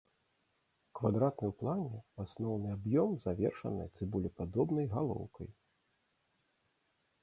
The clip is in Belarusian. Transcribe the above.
Квадратны ў плане асноўны аб'ём завершаны цыбулепадобнай галоўкай.